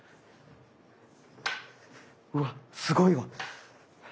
うわっすごいわ。